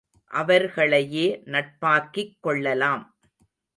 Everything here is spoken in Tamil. அவர்களையே நட்பாக்கிக் கொள்ளலாம்.